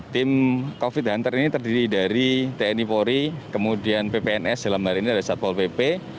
tim covid hunter ini terdiri dari tni polri kemudian ppns dalam hari ini ada satpol pp